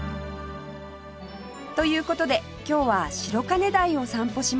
という事で今日は白金台を散歩します